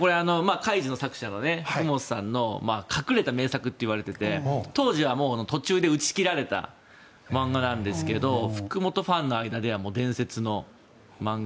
「カイジ」の作者の福本さんの隠れた名作といわれていて当時は打ち切られたんですが福本ファンの間では伝説の漫画。